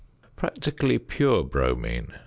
Practically pure bromine.